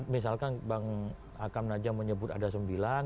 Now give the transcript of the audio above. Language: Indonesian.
misalkan bang hakam najam menyebut ada sembilan